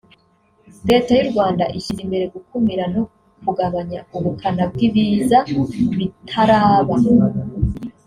Leta y’u Rwanda ishyize imbere gukumira no kugabanya ubukana bw’ibiza bitaraba